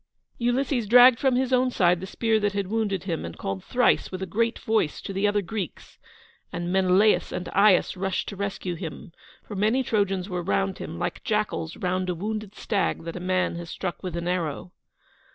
Ulysses dragged from his own side the spear that had wounded him, and called thrice with a great voice to the other Greeks, and Menelaus and Aias rushed to rescue him, for many Trojans were round him, like jackals round a wounded stag that a man has struck with an arrow.